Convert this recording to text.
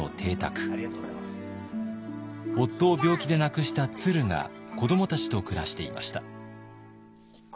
夫を病気で亡くしたツルが子どもたちと暮らしていました。